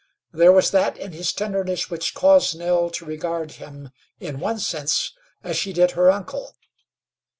There was that in his tenderness which caused Nell to regard him, in one sense, as she did her uncle.